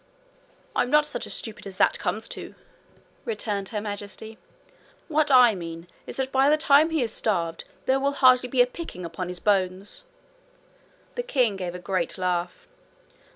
'I'm not such a stupid as that comes to,' returned Her Majesty. 'What I mean is that by the time he is starved there will hardly be a picking upon his bones.' The king gave a great laugh.